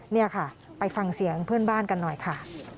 นี่ค่ะไปฟังเสียงเพื่อนบ้านกันหน่อยค่ะ